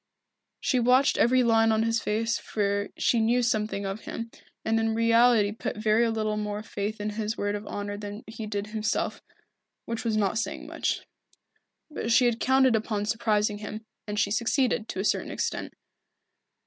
She watched every line of his face for she knew something of him, and in reality put very little more faith in his word of honour than he did himself, which was not saying much. But she had counted upon surprising him, and she succeeded, to a certain extent.